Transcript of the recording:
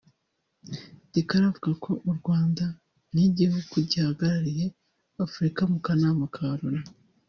Dicarlo avuga ko u Rwanda nk’igihugu gihagarariye Afurika mu kanama ka Loni